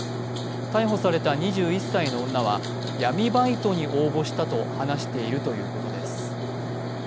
逮捕された２１歳の女は闇バイトに応募したと話しているということです。